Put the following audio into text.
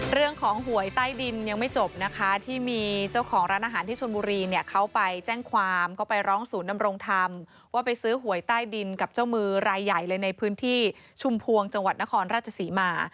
หวยใต้ดินยังไม่จบนะคะที่มีเจ้าของร้านอาหารที่ชนบุรีเนี่ยเขาไปแจ้งความก็ไปร้องศูนย์ดำรงธรรมว่าไปซื้อหวยใต้ดินกับเจ้ามือรายใหญ่เลยในพื้นที่ชุมพวงจังหวัดนครราชศรีมา